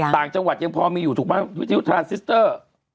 ต่างจังหวัดยังพอมีอยู่ถูกไหมวิทยุทรานซิสเตอร์